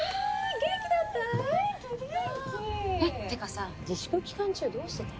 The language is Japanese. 元気元気！ってかさ自粛期間中どうしてた？